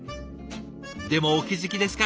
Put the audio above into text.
でもお気付きですか？